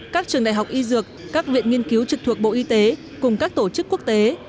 các trường đại học y dược các viện nghiên cứu trực thuộc bộ y tế cùng các tổ chức quốc tế